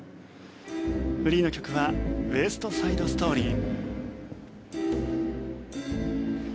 フリーの曲は「ウェスト・サイド・ストーリー」。